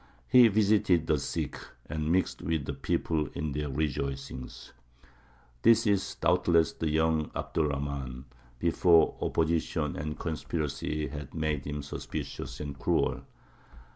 He visited the sick, and mixed with the people in their rejoicings." This is doubtless the young Abd er Rahmān, before opposition and conspiracy had made him suspicious and cruel.